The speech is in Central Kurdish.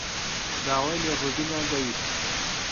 داوای لێبوردنیان دەویست.